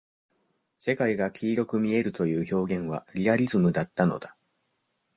世界が黄色く見えるという表現は、リアリズムだったのだ。